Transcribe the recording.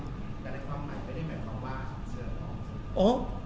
แต่ในความใหม่ก็ไม่ได้แบบว่าเชิญออก